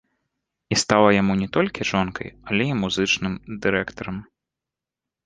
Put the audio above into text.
І стала яму не толькі жонкай, але і музычным дырэктарам.